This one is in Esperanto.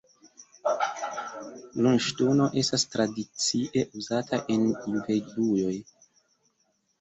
Lunŝtono estas tradicie uzata en juveloj.